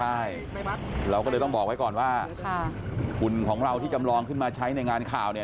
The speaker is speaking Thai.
ใช่เราก็เลยต้องบอกไว้ก่อนว่าหุ่นของเราที่จำลองขึ้นมาใช้ในงานข่าวเนี่ย